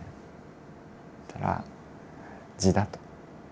そしたら痔だと。